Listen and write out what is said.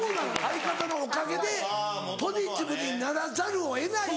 相方のおかげでポジティブにならざるを得ない。